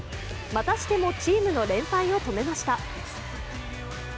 またしてもチームの連敗を止めました。